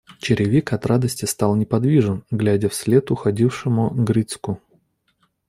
Черевик от радости стал неподвижен, глядя вслед уходившему Грицьку.